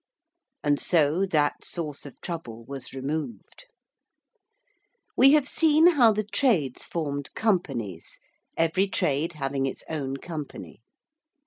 And so that source of trouble was removed. We have seen how the trades formed companies every trade having its own company.